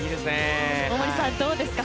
大森さん、どうですか？